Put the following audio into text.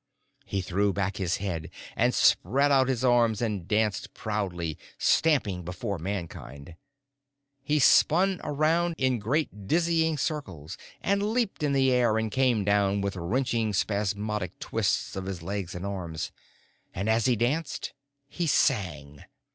He threw back his head and spread out his arms and danced proudly, stampingly, before Mankind. He spun around in great dizzying circles and leaped in the air and came down with wrenching spasmodic twists of his legs and arms. And as he danced, he sang.